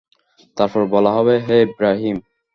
তারপর বলা হবেঃ হে ইবরাহীম!